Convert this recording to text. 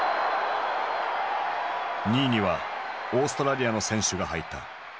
２位にはオーストラリアの選手が入った。